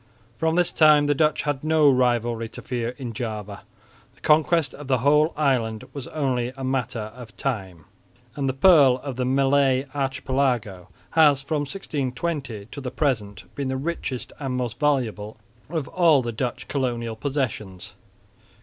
From this time the Dutch had no rivalry to fear in Java. The conquest of the whole island was only a question of time, and the "pearl of the Malay Archipelago" has from 1620 to the present been the richest and most valuable of all the Dutch colonial possessions.